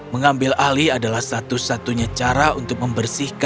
mengambil alih adalah satu satunya cara untuk membersihkan